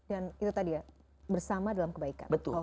dan itu tadi ya bersama dalam kebaikan